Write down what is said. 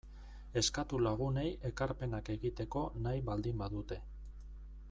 Eskatu lagunei ekarpenak egiteko nahi baldin badute.